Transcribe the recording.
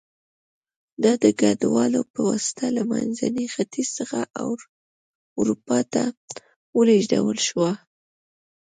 دا د کډوالو په واسطه له منځني ختیځ څخه اروپا ته ولېږدول شوه